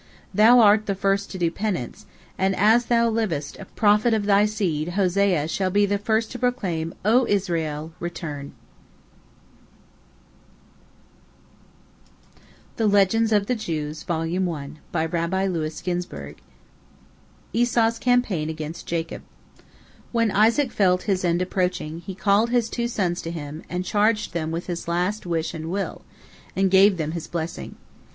Thou art the first to do penance, and as thou livest, a prophet of thy seed, Hosea, shall be the first to proclaim, 'O Israel, return.' " ESAU'S CAMPAIGN AGAINST JACOB When Isaac felt his end approaching, he called his two sons to him, and charged them with his last wish and will, and gave them his blessing.